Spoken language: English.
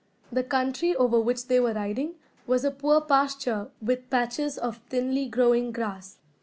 The country over which they were riding was a poor pasture with patches of thinly growing grass.